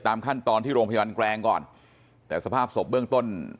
ขั้นตอนที่โรงพยาบาลแกรงก่อนแต่สภาพศพเบื้องต้น